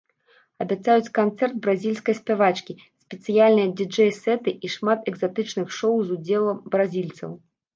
Абяцаюць канцэрт бразільскай спявачкі, спецыяльныя дыджэй-сэты і шмат экзатычных шоу з удзелам бразільцаў.